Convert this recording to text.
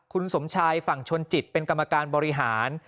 คุณสมชายฝั่งชนจิตเป็นกรรมการบริหาร